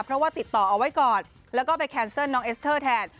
เพราะว่าติดต่อเอาไว้ก่อนแล้วก็ไปแคนเซิลน้องเอสเตอร์แทน